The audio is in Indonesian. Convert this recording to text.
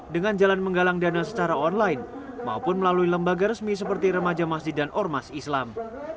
dengan jalan menggalang dana secara online maupun melalui lembaga resmi seperti remaja masjid dan ormas islam